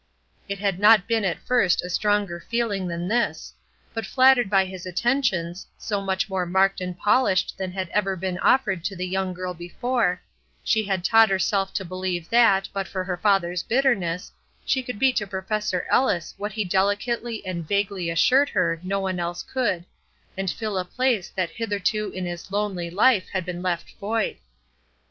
It had not been at first a stronger feeling than this; but flattered by his attentions, so much more marked and polished than had ever been offered to the young girl before, she had taught herself to believe that, but for her father's bitterness, she could be to Professor Ellis what he delicately and vaguely assured her no one else could, and fill a place that hitherto in his lonely life had been left void.